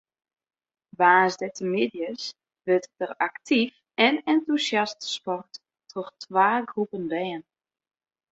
Woansdeitemiddeis wurdt der aktyf en entûsjast sport troch twa groepen bern.